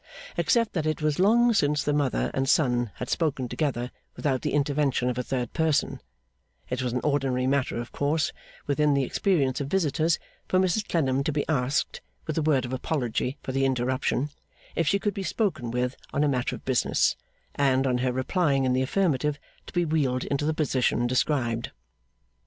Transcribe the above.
Except that it was long since the mother and son had spoken together without the intervention of a third person, it was an ordinary matter of course within the experience of visitors for Mrs Clennam to be asked, with a word of apology for the interruption, if she could be spoken with on a matter of business, and, on her replying in the affirmative, to be wheeled into the position described.